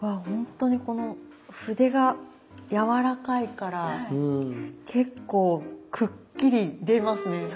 ほんとにこの筆がやわらかいから結構くっきり出ますね。